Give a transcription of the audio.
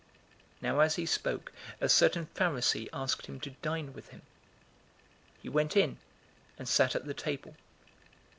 011:037 Now as he spoke, a certain Pharisee asked him to dine with him. He went in, and sat at the table.